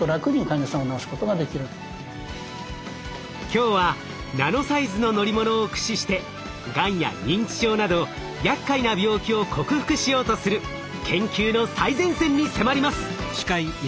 今日はナノサイズの乗り物を駆使してがんや認知症などやっかいな病気を克服しようとする研究の最前線に迫ります！